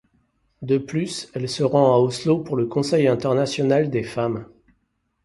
De plus, elle se rend à Oslo pour le Conseil International des Femmes.